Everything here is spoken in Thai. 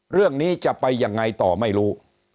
เรื่องนี้จะไปยังไงต่อไม่รู้